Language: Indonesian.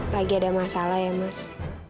lagi ada masalah ya mas